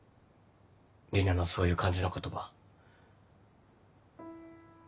里奈のそういう感じの言葉。